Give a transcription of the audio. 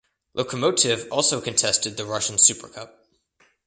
Lokomotiv also contested the Russian Super Cup.